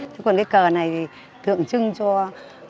thế còn cái cờ này thì tượng trưng cho năm màu năm sắc